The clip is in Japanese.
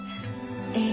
ええ。